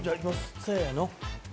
せの！